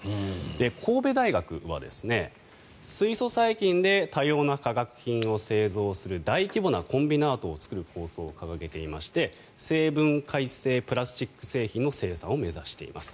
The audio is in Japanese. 神戸大学は、水素細菌で多様な化学品を製造する大規模なコンビナートを作る構想を掲げていまして生分解性プラスチック製品の生産を目指しています。